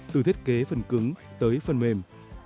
từ thiết kế phần cứng tới phần mềm